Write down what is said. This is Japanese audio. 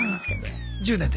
１０年で？